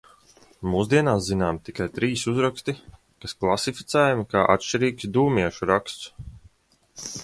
Mūsdienās zināmi tikai trīs uzraksti, kas klasificējami kā atšķirīgs Dūmiešu raksts.